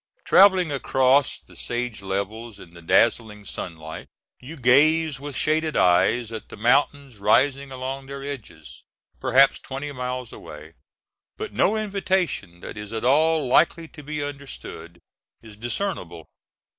Traveling across the sage levels in the dazzling sunlight, you gaze with shaded eyes at the mountains rising along their edges, perhaps twenty miles away, but no invitation that is at all likely to be understood is discernible.